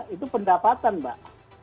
itu pendapatan mbak